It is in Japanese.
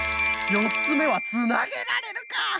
４つめはつなげられるか。